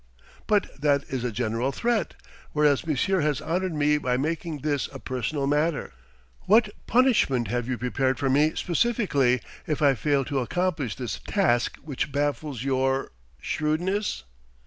"But that is a general threat; whereas monsieur has honoured me by making this a personal matter. What punishment have you prepared for me specifically, if I fail to accomplish this task which baffles your shrewdness?"